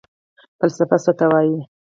فلسفه څه ته وايي؟